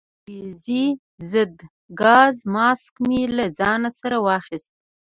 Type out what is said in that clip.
یو انګریزي ضد ګاز ماسک مې له ځان سره واخیست.